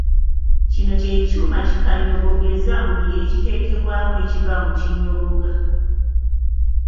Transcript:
Kino kye kyuma kikannyogogeza buli ekikiteekebwamu ekivaamu kinnyogoga.